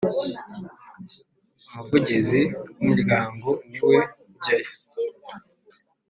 Umuvugizi wumuryango niwe ujyayo